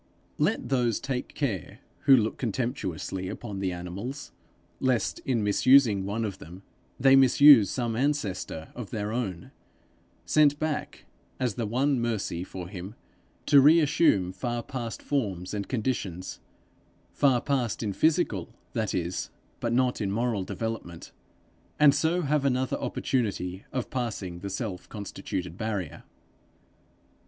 Let those take care who look contemptuously upon the animals, lest, in misusing one of them, they misuse some ancestor of their own, sent back, as the one mercy for him, to reassume far past forms and conditions far past in physical, that is, but not in moral development and so have another opportunity of passing the self constituted barrier.